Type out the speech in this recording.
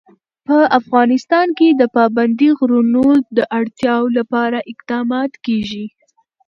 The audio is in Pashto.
په افغانستان کې د پابندي غرونو د اړتیاوو لپاره اقدامات کېږي.